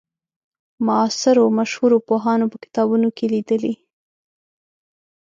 معاصرو مشهورو پوهانو په کتابونو کې لیدلې.